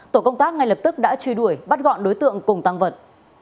tổ công tác ngay lập tức đã truy đuổi bắt gọn đối tượng cùng tăng vật